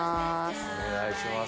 お願いします。